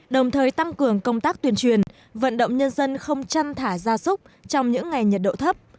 đồng thời tăng cường công tác tuyên truyền vận động nhân dân không chăn thả ra súc trong những ngày nhiệt độ thấp